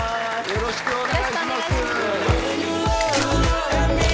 よろしくお願いします